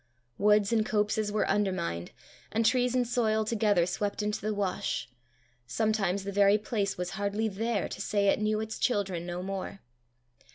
Woods and copses were undermined, and trees and soil together swept into the wash: sometimes the very place was hardly there to say it knew its children no more.